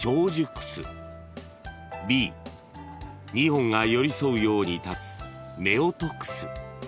［Ｂ２本が寄り添うように立つ夫婦楠］